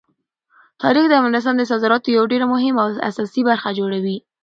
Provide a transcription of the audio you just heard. تاریخ د افغانستان د صادراتو یوه ډېره مهمه او اساسي برخه جوړوي.